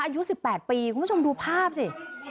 อายุ๑๘ปีคุณผู้ชมดูภาพสิ